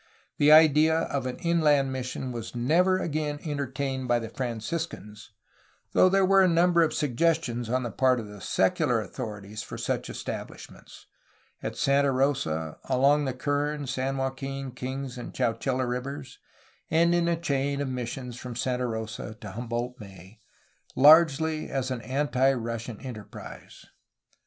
The idea of an inland mission was never again entertained by the Franciscans, though there were a number of suggestions on the part of the secular authorities for such establishments, — at Santa Rosa, — along the Kern, San Joaquin, Kings, and Chowchilla rivers, — and in a chain of missions from Santa Rosa to Humboldt Bay, largely as an anti Russian enterprise.